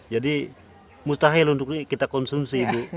jadi mustahil untuk kita konsumsi bu